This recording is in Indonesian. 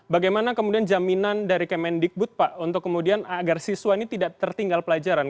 bagaimana kemudian jaminan dari kemendikbud pak untuk kemudian agar siswa ini tidak tertinggal pelajaran